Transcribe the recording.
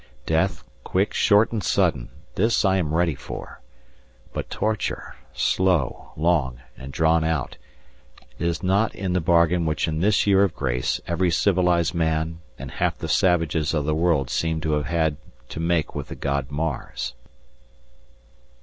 Death, quick, short and sudden, this I am ready for. But torture, slow, long and drawn out, is not in the bargain which in this year of grace every civilized man and half the savages of the world seem to have had to make with the god Mars.